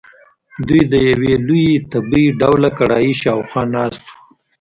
دوی د یوې لویې تبۍ ډوله کړایۍ شاخوا ناست وو.